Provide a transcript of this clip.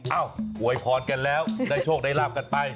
เอ้าโหยพ้อนกันแล้วในโชคในราบกันไป